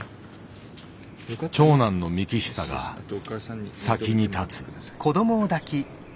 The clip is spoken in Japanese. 長男の幹久が先に発つ。